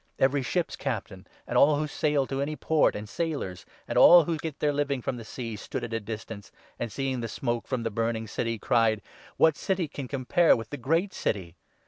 Every ship's 17 captain and all who sail to any port, and sailors, and all who • get their living from the sea, stood at a distance, and seeing 18 the smoke from the burning city, cried —' What city can com pare with the Great City